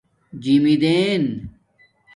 جِمدئین